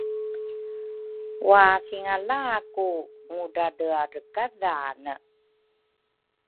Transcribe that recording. Wathingala ku Ngudradreadrekadhane